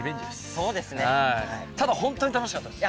ただ本当に楽しかったです。